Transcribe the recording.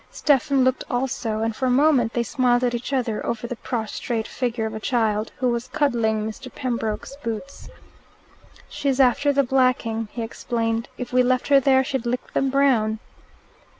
Stephen looked also, and for a moment they smiled at each other over the prostrate figure of a child, who was cuddling Mr. Pembroke's boots. "She's after the blacking," he explained. "If we left her there, she'd lick them brown."